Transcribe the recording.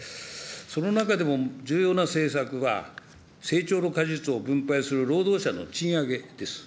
その中でも重要な政策は、成長の果実を分配する労働者の賃上げです。